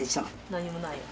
何にもない。